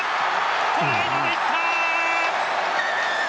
トライまで行った！